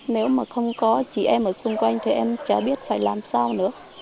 nếu mà không có chị em ở xung quanh thì em chả biết phải làm sao nữa